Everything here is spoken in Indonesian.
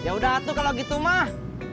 oh yaudah tuh kalo gitu mah